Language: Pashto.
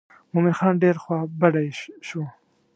مومن خان ډېر خوا بډی شو.